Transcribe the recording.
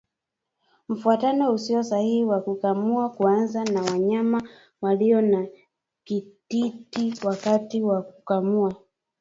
Mfuatano usio sahihi wa kukamua kuanza na wanyama walio na kititi wakati wa kukamua